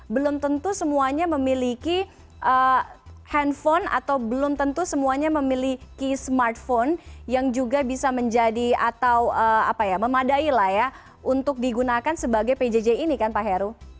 belum tentu semuanya memiliki handphone atau belum tentu semuanya memiliki smartphone yang juga bisa menjadi atau memadai lah ya untuk digunakan sebagai pjj ini kan pak heru